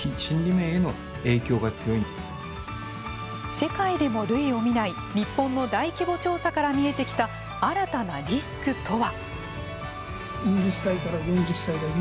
世界でも類を見ない日本の大規模調査から見えてきた新たなリスクとは。